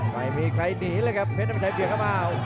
ไม่มีใครหนีเลยครับเพชรน้ำชัยเกี่ยวเข้ามา